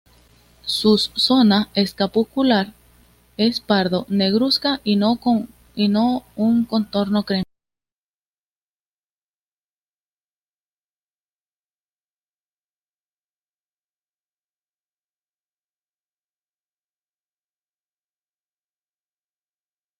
Sus zona escapular es pardo negruzca y no un contorno crema.